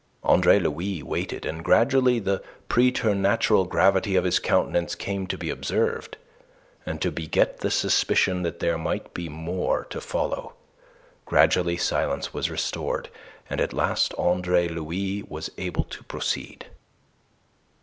Andre Louis waited, and gradually the preternatural gravity of his countenance came to be observed, and to beget the suspicion that there might be more to follow. Gradually silence was restored, and at last Andre Louis was able to proceed.